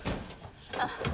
あっ。